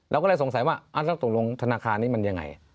เราก็เลยสงสัยว่าแล้วตกลงธนาคารนี้มันยังไง